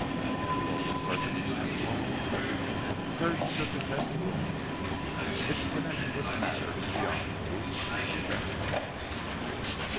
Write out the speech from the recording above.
"And the opal serpent?" asked Paul. Hurd shook his head gloomily. "It's connection with the matter is beyond me," he confessed.